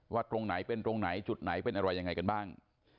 ตรงไหนเป็นตรงไหนจุดไหนเป็นอะไรยังไงกันบ้าง